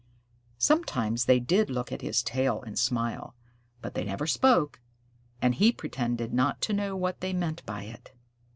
Sometimes they did look at his tail and smile, but they never spoke, and he pretended not to know what they meant by it.